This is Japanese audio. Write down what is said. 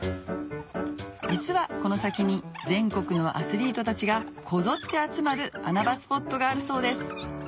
実はこの先に全国のアスリートたちがこぞって集まる穴場スポットがあるそうです